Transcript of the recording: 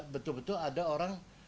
betul betul ada orang